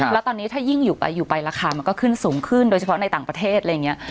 แล้วตอนนี้ถ้ายิ่งอยู่ไปราคามันก็ขึ้นสูงขึ้นโดยเฉพาะในต่างประเทศอะไรอย่างนี้